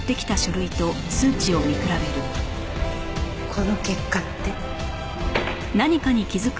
この結果って。